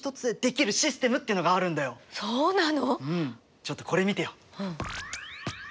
ちょっとこれ見てよ。